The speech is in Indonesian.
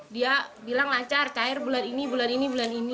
dia bilang lancar cair bulan ini bulan ini bulan ini